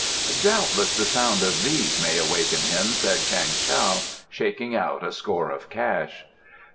"Doubtless the sound of these may awaken him," said Chang Tao, shaking out a score of cash.